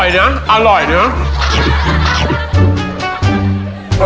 อร่อยเนี่ยอร่อยเนี่ย